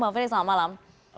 bang ferry selamat malam